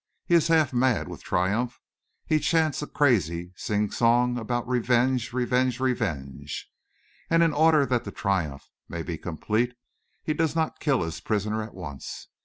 He is half mad with triumph he chants a crazy sing song about revenge, revenge, revenge! And, in order that the triumph may be complete, he does not kill his prisoner at once.